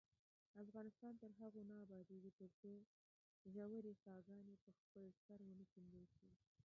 افغانستان تر هغو نه ابادیږي، ترڅو ژورې څاګانې په خپل سر ونه کیندل شي.